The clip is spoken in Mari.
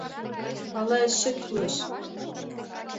— Ала эше кӱлеш?